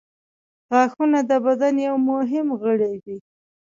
• غاښونه د بدن یو مهم غړی دی.